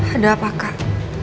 ada apa kak